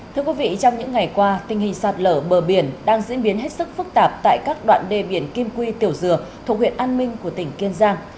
thưa quý vị trong những ngày qua tình hình sạt lở bờ biển đang diễn biến hết sức phức tạp tại các đoạn đê biển kim quy tiểu dừa thuộc huyện an minh của tỉnh kiên giang